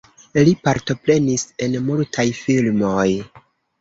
Li partoprenis en multaj filmoj.